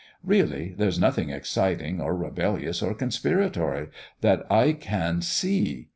Really, there's nothing exciting, or rebellious, or conspiratory, that I can see!